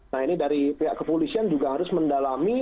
nah ini dari pihak kepolisian juga harus mendalami